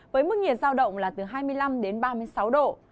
với mức nhiệt giao động là từ hai mươi năm đến ba mươi sáu độ